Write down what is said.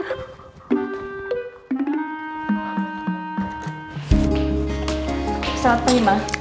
selamat pagi mbak